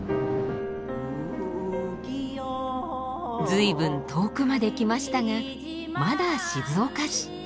随分遠くまで来ましたがまだ静岡市。